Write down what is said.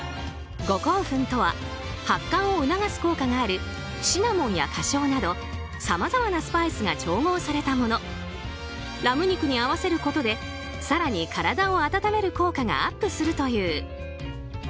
五香粉とは発汗を促す効果があるシナモンや花椒などさまざまなスパイスが調合されたものラム肉に合わせることで更に体を温める効果がアップするという。